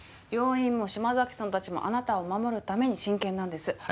病院も島崎さんたちもあなたを護るために真剣なんです。